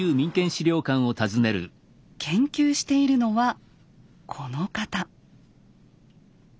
研究しているのはこの方。